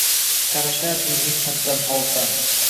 Qarasharding mehnatdan tolsam